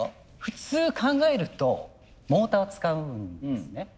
普通考えるとモーターを使うんですね。